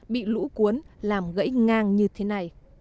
bị lũ cuốn làm gãy ngang như thế này